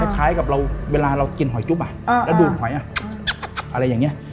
คล้ายกับเวลาเรากินหอยจุบน่ะอ่ะแล้วดื่นหอยอะไรอย่างเนี้ย